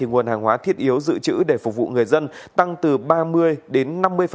nguồn hàng hóa thiết yếu giữ chữ để phục vụ người dân tăng từ ba mươi đến năm mươi